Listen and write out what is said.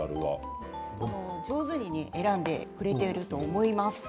上手に選んでくれていると思います。